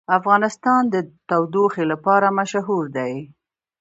افغانستان د تودوخه لپاره مشهور دی.